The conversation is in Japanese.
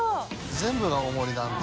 全部が大盛りなんだ。